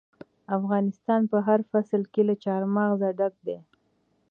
افغانستان په هر فصل کې له چار مغز ډک دی.